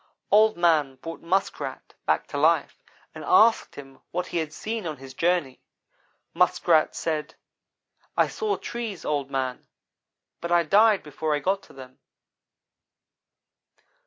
"Old man brought Muskrat back to life, and asked him what he had seen on his journey. Muskrat said: 'I saw trees, Old man, but I died before I got to them.'